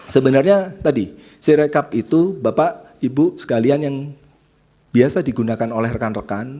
sebenarnya tadi si rekap itu bapak ibu sekalian yang biasa digunakan oleh rekan rekan